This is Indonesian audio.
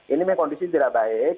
ini memang kondisi tidak baik